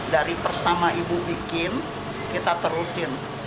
dari pertama ibu bikin kita terusin